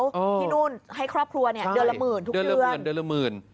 ที่นู่นให้ครอบครัวเนี่ยเดือนละหมื่นทุกเรื่อง